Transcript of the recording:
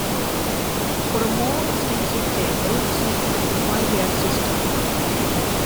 For a more extensive table, see Myriad system.